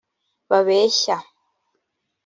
babeshya